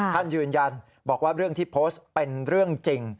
ท่านยืนยันบอกว่าเรื่องที่โพสต์เป็นเรื่องจริง